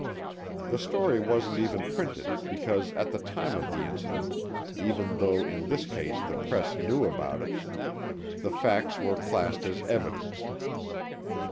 The story wasn't even printed because at the time of the incident, even though in this case the press knew about it, the facts were classed as evidence.